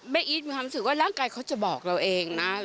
เมย์อีททำสืบว่าร่างกายเค้าจะบอกเราเองนะ